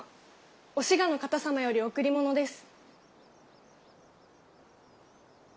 お志賀の方様より贈り物です。